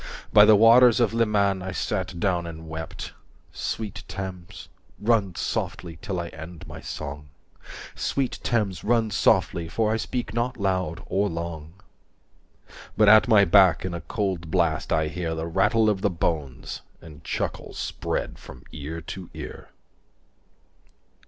By the waters of Leman I sat down and wept… Sweet Thames, run softly till I end my song, Sweet Thames, run softly, for I speak not loud or long. But at my back in a cold blast I hear 185 The rattle of the bones, and chuckle spread from ear to ear.